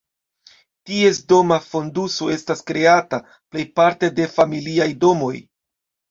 Ties doma fonduso estas kreata plejparte de familiaj domoj.